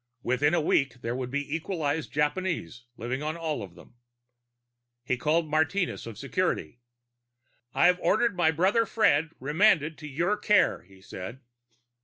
Within a week, there would be equalized Japanese living on all of them. He called Martinez of security. "I've ordered my brother Fred remanded to your care," he said.